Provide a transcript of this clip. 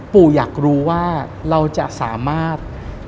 ปู่อยากรู้ว่าเราจะสามารถ